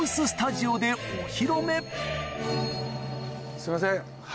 すいません。